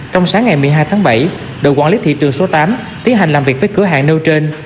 trong sáng ngày một mươi hai tháng bảy đội quản lý thị trường số tám tiến hành làm việc với cửa hàng nêu trên